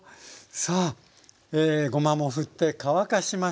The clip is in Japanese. さあごまもふって乾かしました。